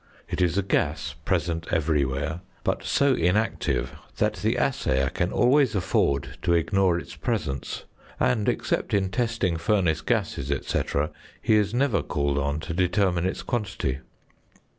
It is a gas, present everywhere, but so inactive that the assayer can always afford to ignore its presence, and, except in testing furnace gases, &c., he is never called on to determine its quantity.